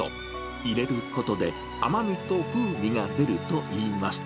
入れることで、甘みと風味が出るといいます。